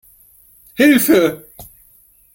Hilfe!